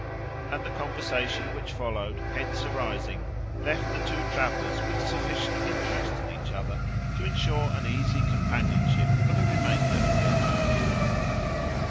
And the conversation which followed, hence arising, left the two travellers with sufficient interest in each other to insure an easy companionship for the remainder of their journey.